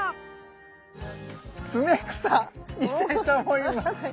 ツメクサにしたいと思います。